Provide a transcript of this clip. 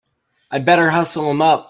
I'd better hustle him up!